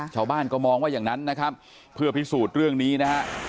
ชาวบ้านก็มองว่าอย่างนั้นนะครับเพื่อพิสูจน์เรื่องนี้นะฮะ